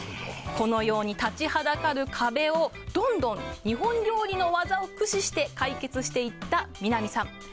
このように立ちはだかる壁をどんどん日本料理の技を駆使して解決していった美浪さん。